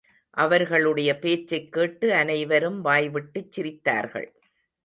அவர்களுடைய பேச்சைக் கேட்டு அனைவரும் வாய்விட்டுச் சிரித்தார்கள்.